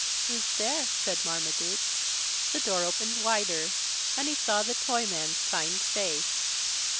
"Who's there?" said Marmaduke. The door opened wider. And he saw the Toyman's kind face.